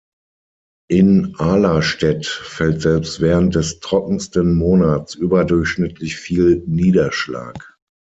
In Ahlerstedt fällt selbst während des trockensten Monats überdurchschnittlich viel Niederschlag.